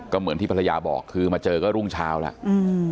ก็เหมือนที่ภรรยาบอกคือมาเจอก็รุ่งเช้าแล้วอืม